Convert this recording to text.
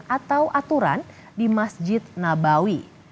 atau aturan di masjid nabawi